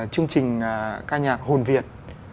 chương trình ca nhạc hồn việt